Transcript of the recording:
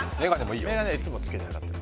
メガネはいつもつけてはかってる。